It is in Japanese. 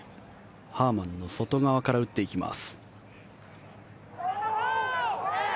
ハーマンの外側から打っていきます。